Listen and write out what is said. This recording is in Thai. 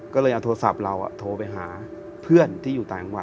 ก็เลยเอาโทรศัพท์เราโทรไปหาเพื่อนที่อยู่ต่างจังหวัด